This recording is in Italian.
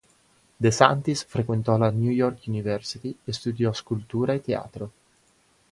De Santis frequentò la New York University e studiò scultura e teatro.